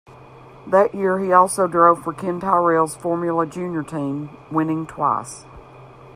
That year he also drove for Ken Tyrrell's Formula Junior team, winning twice.